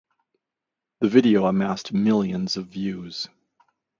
The video amassed millions of views.